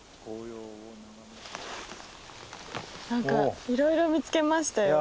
何かいろいろ見つけましたよ。